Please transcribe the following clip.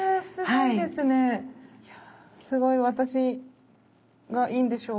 いやすごい私がいいんでしょうか。